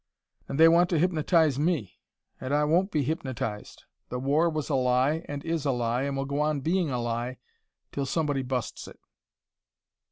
"And they want to hypnotise me. And I won't be hypnotised. The war was a lie and is a lie and will go on being a lie till somebody busts it."